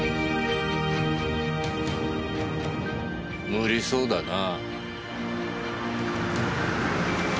無理そうだな。